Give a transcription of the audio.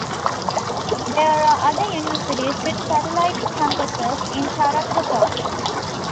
There are other universities with satellite campuses in Tarapoto.